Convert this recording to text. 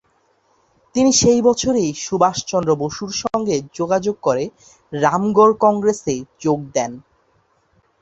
তিনি সেই বছরেই সুভাষ চন্দ্র বসুর সঙ্গে যোগাযোগ করে রামগড় কংগ্রেসে যোগ দেন।